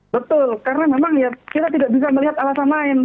betul karena memang ya kita tidak bisa melihat alasan lain